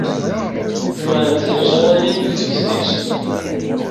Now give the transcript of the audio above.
Jemɛen-d timeẓwanin deg teftist.